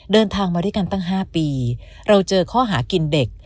เดินทางมาด้วยกันตั้ง๕ปีเราเจอข้อหากินเด็ก